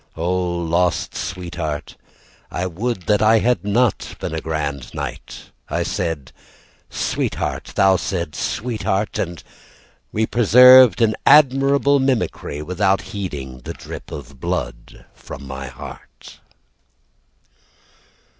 Oh, lost sweetheart, I would that I had not been a grand knight. I said: "Sweetheart." Thou said'st: "Sweetheart." And we preserved an admirable mimicry Without heeding the drip of the blood From my heart.